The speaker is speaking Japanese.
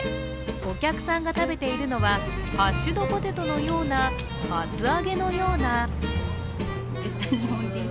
お客さんが食べているのはハッシュドポテトのような厚揚げのような？